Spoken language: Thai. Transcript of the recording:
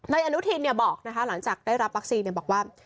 นายอนุทีนบอกหลังจากได้รับวัคซีนบอกว่า